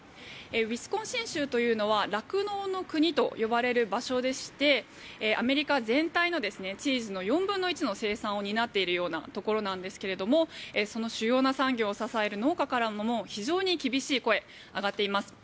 ウィスコンシン州というのは酪農の国と呼ばれる場所でしてアメリカ全体のチーズの４分の１の生産を担っているようなところなんですがその主要な産業を支える農家からも非常に厳しい声が上がっています。